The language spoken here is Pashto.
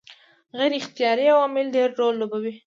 غیر اختیاري عوامل ډېر رول لوبوي.